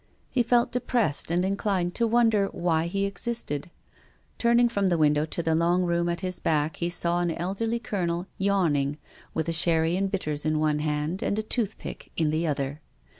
He felt depressed and inclined to wonder why he existed. Turning from the window to the long room at his back he saw an elderly Colonel yawning, with a sherry and bit ters in one hand and a toothpick in the other.